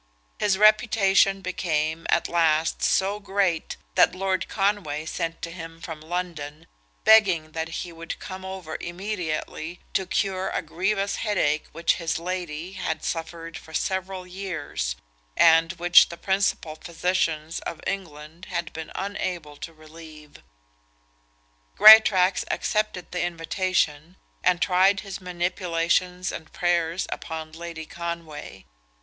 His reputation became, at last, so great, that Lord Conway sent to him from London, begging that he would come over immediately to cure a grievous headache which his lady had suffered for several years, and which the principal physicians of England had been unable to relieve. Greatraks accepted the invitation, and tried his manipulations and prayers upon Lady Conway.